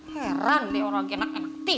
heran deh orang genak genakti